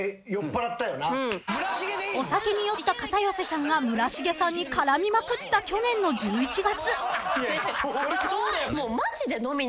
［お酒に酔った片寄さんが村重さんに絡みまくった去年の１１月］